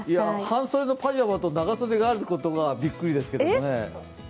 半袖のパジャマと長袖があることにびっくりですけどね。